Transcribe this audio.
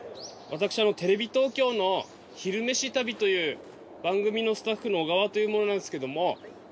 私テレビ東京の「昼めし旅」という番組のスタッフの小川という者なんですけども。